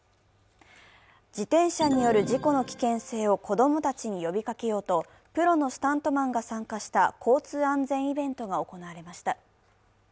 自転車による事故の危険性を子供たちに呼びかけようと、プロのスタントマンが参加した交通安全イベントが行われました。